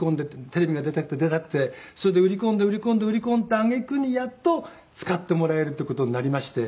テレビに出たくて出たくてそれで売り込んで売り込んで売り込んだ揚げ句にやっと使ってもらえるっていう事になりまして。